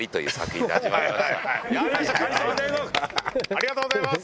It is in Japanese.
ありがとうございます！